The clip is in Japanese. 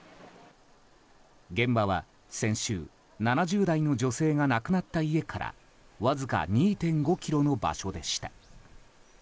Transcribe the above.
現場は先週７０代の女性が亡くなった家からわずか２．５ｋｍの場所でした。